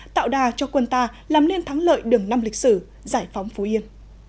tạo đà cho quân ta làm nên thắng lợi đường năm lịch sử giải phóng phú yên